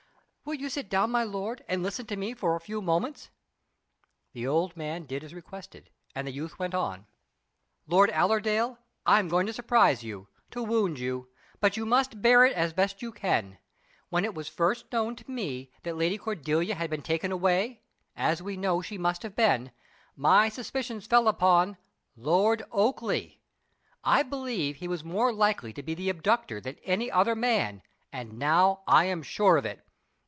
"Will you sit down, my lord, and listen to me for a few moments?" The old man did as requested, and the youth went on: "Lord Allerdale, I am going to surprise you to wound you; but you must bear it as best you can. When it was first known to me that Lady Cordelia had been taken away as we know she must have been my suspicions fell upon Lord Oakleigh. I believed he was more likely to be the abductor than any other man; and now I am sure of it."